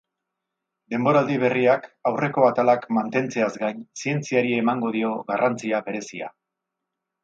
Denboraldi berriak, aurreko atalak mantentzeaz gain, zientziari emango dio garrantzia berezia.